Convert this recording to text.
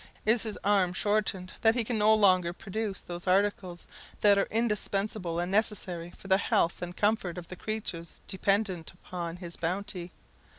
Is His arm shortened, that he can no longer produce those articles that are indispensable and necessary for the health and comfort of the creatures dependent upon his bounty?